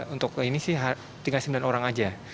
untuk ini sih tinggal sembilan orang aja